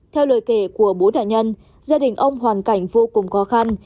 theo lời kể của bố nạn nhân gia đình ông hoàn cảnh vô cùng khó khăn